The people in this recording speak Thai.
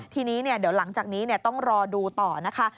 ทีนี้เดี๋ยวหลังจากนี้ต้องรอดูต่อนะคะ